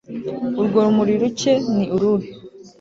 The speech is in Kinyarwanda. Urwo rumuri rucye ni uruhe